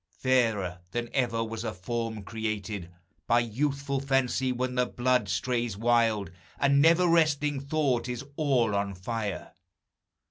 Fairer than ever was a form created By youthful fancy when the blood strays wild, And never resting thought is all on fire!